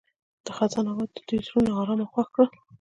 د خزان اواز د دوی زړونه ارامه او خوښ کړل.